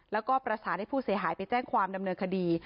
แล้วก็ประสานให้ผู้เสียหายไปแจ้งความดำเนินคดี